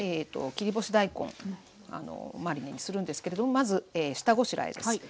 切り干し大根マリネにするんですけれどもまず下ごしらえです。